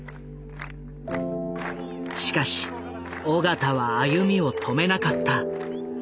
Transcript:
しかし緒方は歩みを止めなかった。